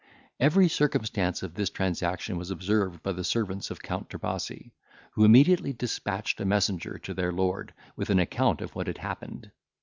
Every circumstance of this transaction was observed by the servants of Count Trebasi, who immediately despatched a messenger to their lord, with an account of what had happened.